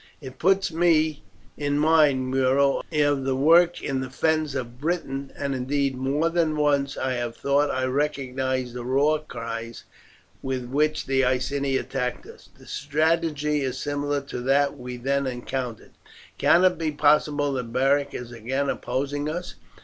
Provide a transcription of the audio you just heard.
"It puts me in mind, Muro, of the work in the fens of Britain; and indeed more than once I have thought I recognized the war cries with which the Iceni attacked us. The strategy is similar to that we then encountered. Can it be possible that Beric is again opposing us?